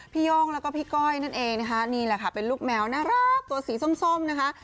โย่งแล้วก็พี่ก้อยนั่นเองนะคะนี่แหละค่ะเป็นลูกแมวน่ารักตัวสีส้มนะคะ